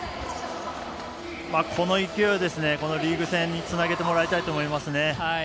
この勢い、リーグ戦につなげてもらいたいと思いますね。